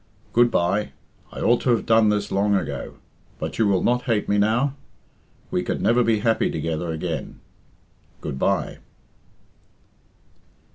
"Good bye! I ought to have done this long ago. But you will not hate me now? We could never be happy together again. Good bye!"